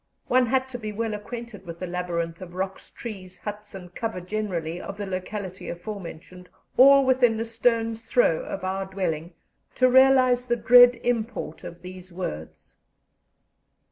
One had to be well acquainted with the labyrinth of rocks, trees, huts, and cover generally, of the locality aforementioned, all within a stone's throw of our dwelling, to realize the dread import of these words.